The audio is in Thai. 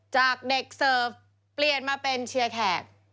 จากเด็กเสิร์ฟเปลี่ยนมาเป็นเชียร์แขก